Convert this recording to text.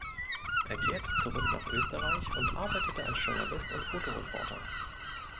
Er kehrte zurück nach Österreich und arbeitete als Journalist und Fotoreporter.